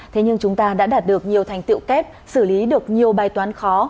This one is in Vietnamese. thế nhưng chúng ta đã đạt được nhiều thành tiệu kép xử lý được nhiều bài toán khó